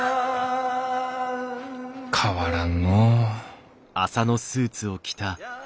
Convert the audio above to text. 変わらんのう。